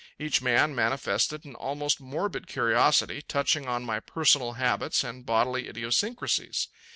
Each man manifested an almost morbid curiosity touching on my personal habits and bodily idiosyncrasies.